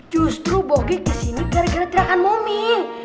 justru bogy kesini gara gara terakan momi